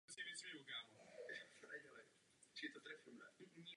Je spoluautorkou tří knih s ženskou tematikou.